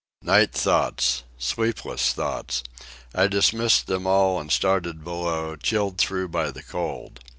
Night thoughts! Sleepless thoughts! I dismissed them all and started below, chilled through by the cold.